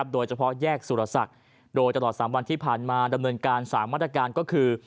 โดยเฉพาะแยกสุรศักดิ์โดยตลอด๓วันที่ผ่านมาดำเนินการ๓มาตรการก็คือ